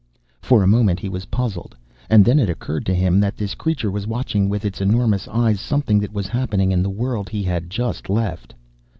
For a moment he was puzzled, and then it occurred to him that this creature was watching with its enormous eyes something that was happening in the world he had just left.